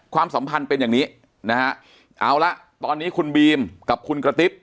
ความสัมพันธ์เป็นอย่างนี้นะฮะเอาละตอนนี้คุณบีมกับคุณกระติ๊บ